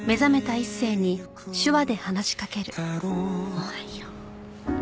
おはよう。